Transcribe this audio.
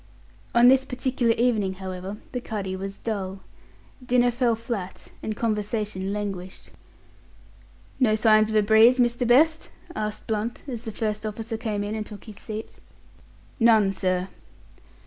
On this particular evening, however, the cuddy was dull. Dinner fell flat, and conversation languished. "No signs of a breeze, Mr. Best?" asked Blunt, as the first officer came in and took his seat. "None, sir."